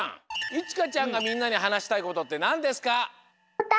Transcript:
いちかちゃんがみんなにはなしたいことってなんですか？